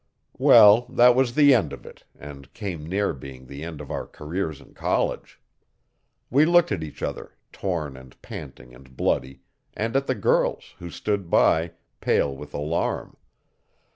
Well, that was the end of it and came near being the end of our careers in college. We looked at each other, torn and panting and bloody, and at the girls, who stood by, pale with alarm.